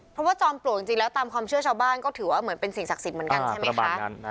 เพราะว่าจอมปลวกจริงแล้วตามความเชื่อชาวบ้านก็ถือว่าเหมือนเป็นสิ่งศักดิ์สิทธิ์เหมือนกันใช่ไหมคะ